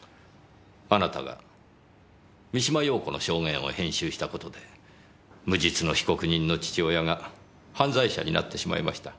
あなたが三島陽子の証言を編集した事で無実の被告人の父親が犯罪者になってしまいました。